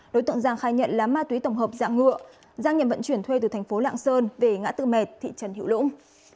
đối tượng giang khai nhận là ma túy tổng hợp dạng ngựa giang nhận vận chuyển thuê từ thành phố lạng sơn về ngã tư mệt thị trấn hữu lũng